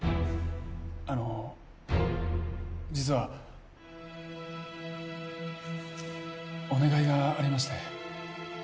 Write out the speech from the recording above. あの実はお願いがありまして。